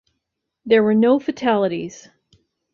There were no fatalities.